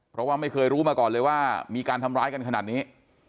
เพราะว่าไม่เคยรู้มาก่อนเลยว่ามีการทำร้ายกันขนาดนี้